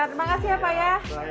terima kasih ya pak ya